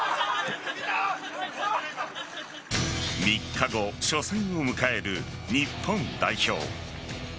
３日後、初戦を迎える日本代表。